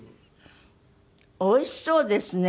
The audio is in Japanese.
おいしそうですね。